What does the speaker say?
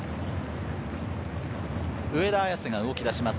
上田綺世が動き出します。